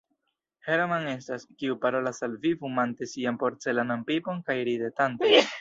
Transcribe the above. Hermann estas, kiu parolas al vi fumante sian porcelanan pipon kaj ridetante.